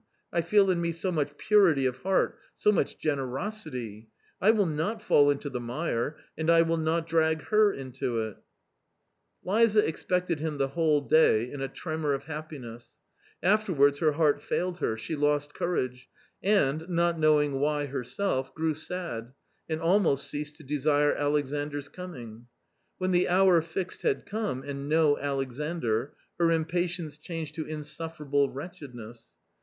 I feel in me so much purity of heart, so much generosity I wilLnot fall into the mire, and I will not drag her into it^r; Liza expected him the whole day in a tremor of happi ness ; afterwards her heart failed her, she lost courage, and, not knowing why herself, grew sad, and almost ceased to desire Alexandra coming. When the hour fixed had come, and no Alexandr, her impatience changed to insufferable wretchedness.